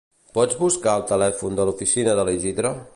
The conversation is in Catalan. Pots buscar el telèfon de l'oficina de l'Isidre?